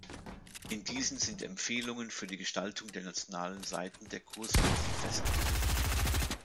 In diesen sind Empfehlungen für die Gestaltung der nationalen Seiten der Kursmünzen festgelegt.